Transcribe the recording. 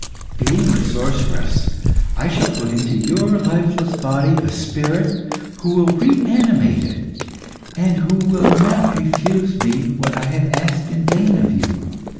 Being a sorceress, I shall put into your lifeless body a spirit who will reanimate it, and who will not refuse me what I have asked in vain of you.